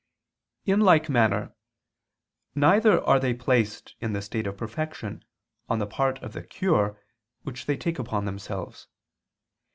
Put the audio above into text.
In like manner, neither are they placed in the state of perfection on the part of the cure which they take upon themselves.